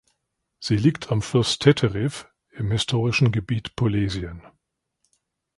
Sie liegt am Fluss Teteriw im historischen Gebiet Polesien.